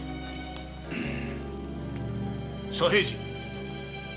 左平次！